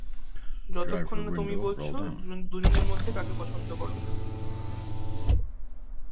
যতক্ষণ না তুমি বলছো দুজনের মধ্যে কাকে পছন্দ করো।